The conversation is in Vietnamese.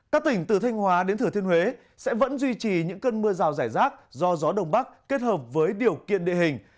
các tỉnh từ thanh hóa đến thửa thiên huế sẽ vẫn duy trì những cơn mưa rào rải rác do gió đông bắc kết hợp với điều kiện địa hình